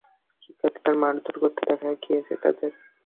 শিক্ষার্থীদের মারধর করতে দেখা গেছে তাঁদের।